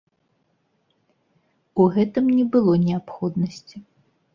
У гэтым не было неабходнасці.